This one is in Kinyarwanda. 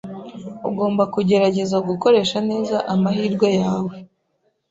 Ugomba kugerageza gukoresha neza amahirwe yawe.